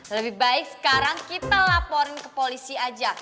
lebih baik sekarang kita laporin ke polisi aja